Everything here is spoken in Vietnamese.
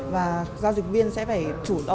và giao dịch viên sẽ phải kê khai khá là nhiều